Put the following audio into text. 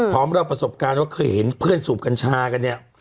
เล่าประสบการณ์ว่าเคยเห็นเพื่อนสูบกัญชากันเนี่ย